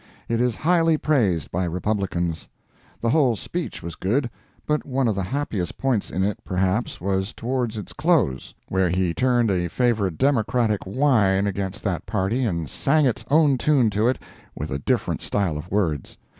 It is highly praised by Republicans. The whole speech was good, but one of the happiest points in it, perhaps, was toward its close, where he turned a favorite Democratic whine against that party and sang its own tune to it with a different style of words.